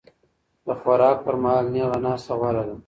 د خوراک پر مهال نېغه ناسته غوره ده.